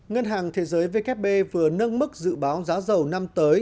ngân hàng thế giới vkp vừa nâng mức dự báo giá dầu năm tới